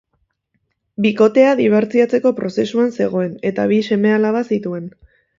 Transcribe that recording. Bikotea dibortziatzeko prozesuan zegoen, eta bi seme-alaba zituen.